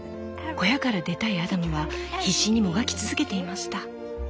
小屋から出たいアダムは必死にもがき続けていました。